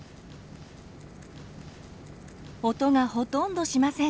音がほとんどしません。